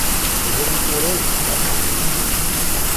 Ad k-turar deg uqerruy-ik.